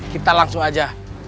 kita langsung aja